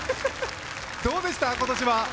どうでした、今年は？